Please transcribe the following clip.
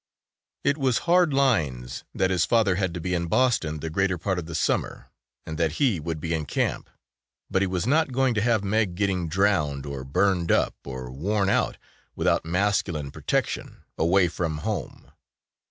It was hard lines that his father had to be in Boston the greater part of the summer and that he would be in camp, but he was not going to have Meg getting drowned or burned up or worn out without masculine protection away from home.